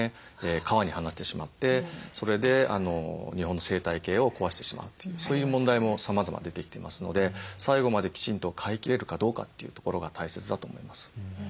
川に放してしまってそれで日本の生態系を壊してしまうというそういう問題もさまざま出てきていますので最後まできちんと飼いきれるかどうかというところが大切だと思います。